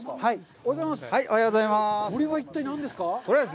おはようございます。